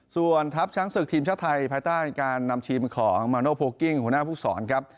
ส่วนทัพช้างศึกทีมชาติไทยภายใต้การนำทีมของมาโนโพลกิ้งหัวหน้าผู้สอนครับ